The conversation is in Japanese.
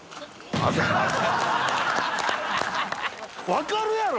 分かるやろ！